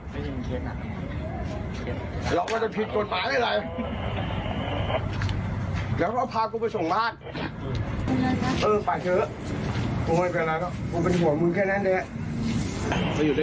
อ๋อมันอยู่แล้วไงผู้หญิงผู้ชาย